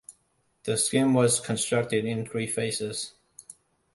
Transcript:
The scheme was constructed in three phases.